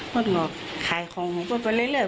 คนขายของมันก็เป็นไปเรื่อย